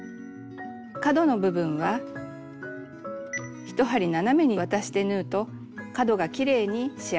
角の部分は１針斜めに渡して縫うと角がきれいに仕上がります。